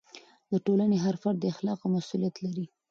د ټولنې هر فرد د اخلاقو مسؤلیت لري.